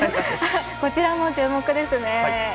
こちらも注目ですね。